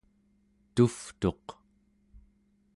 tuvtuq